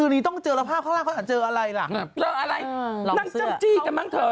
นังเจ้าจี้อีกมั้งเธอ